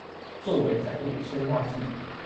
作為反應催化劑